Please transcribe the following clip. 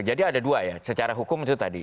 jadi ada dua ya secara hukum itu tadi